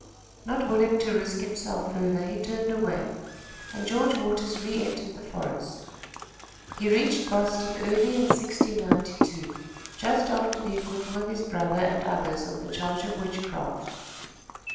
Not willing to risk himself further he turned away, and George Waters re entered the forest. He reached Boston early in 1692, just after the acquittal of his brother and others of the charge of witchcraft.